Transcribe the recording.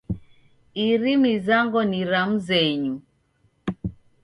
Iri mizango ni ra mzenyu